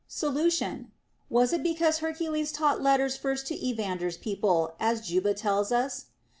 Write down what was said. Solution. Was it because Hercules taught letters first to Evander's people, as Juba tells us